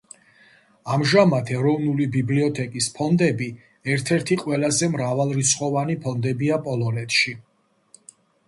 ამჟამად ეროვნული ბიბლიოთეკის ფონდები ერთ-ერთი ყველაზე მრავალრიცხოვანი ფონდებია პოლონეთში.